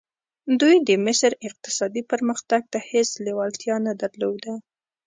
دوی د مصر اقتصادي پرمختګ ته هېڅ لېوالتیا نه درلوده.